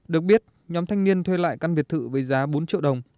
được biết nhóm thanh niên thuê lại căn biệt thự với giá bốn triệu đồng